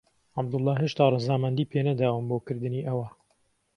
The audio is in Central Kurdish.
عەبدوڵڵا هێشتا ڕەزامەندیی پێ نەداوم بۆ کردنی ئەوە.